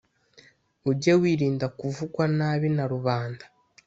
ujyewirinda kuvugwa nabi na rubanda